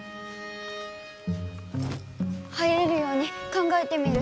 入れるように考えてみる。